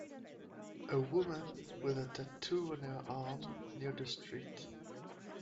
A woman with a tattoo on her arm near the street.